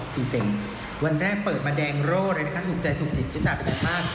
ตีเต็มวันแรกเปิดมาแดงโร่เลยนะคะถูกใจถูกจิตจ้ะจ้ะไปจากบ้าน